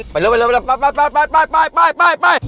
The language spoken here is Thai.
ไปเร็วไปเร็วไปไปไปไปไปไปไปไปไป